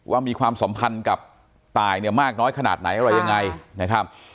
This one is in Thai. มีความสัมพันธ์กับตายเนี่ยมากน้อยขนาดไหนอะไรยังไงนะครับ